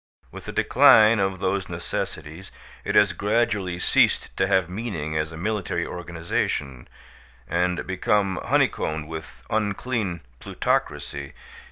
With the decline of those necessities it has gradually ceased to have meaning as a military organization, and become honeycombed with unclean plutocracy.